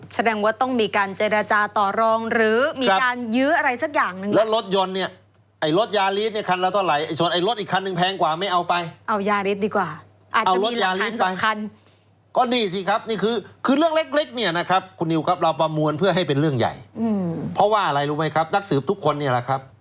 แสดงว่าต้องมีการใจราชาต่อรองหรือมีการยื้ออะไรสักอย่าง